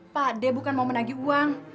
pak d bukan mau menagi uang